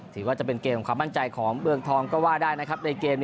ถือว่าเป็นเกมของความมั่นใจของเมืองทองก็ว่าได้นะครับในเกม